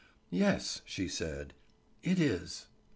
"Yes," she said, "it is."